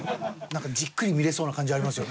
なんかじっくり見られそうな感じありますよね。